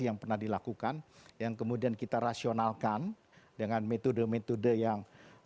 jangan lupa untuk berikan duit kepada tuhan